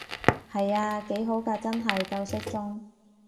係啊，幾好㗎真係，夠適中